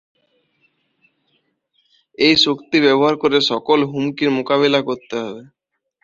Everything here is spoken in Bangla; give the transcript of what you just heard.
এই শক্তি ব্যবহার করে সকল হুমকির মোকাবিলা করতে হবে।